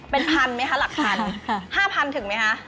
เป็นพันธุ์ไหมคะหลักพันธุ์๕พันธุ์ถึงไหมคะ